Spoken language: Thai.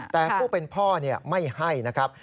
แต่ผู้เป็นพ่อไม่ให้นะครับ